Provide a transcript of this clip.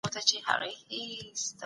دوی شپه او ورځ کار کوي.